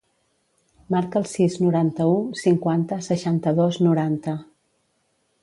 Marca el sis, noranta-u, cinquanta, seixanta-dos, noranta.